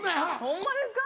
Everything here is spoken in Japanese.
ホンマですか？